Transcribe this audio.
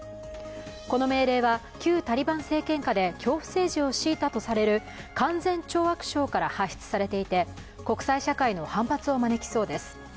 この命令は旧タリバン政権下で恐怖政治をしいたとされる勧善懲悪省から発出されていて、国際社会の反発を招きそうです。